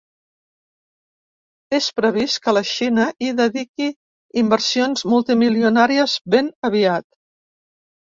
És previst que la Xina hi dediqui inversions multimilionàries ben aviat.